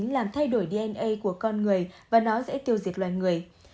làm thay đổi dna của con người và nó sẽ tiêu diệt loài người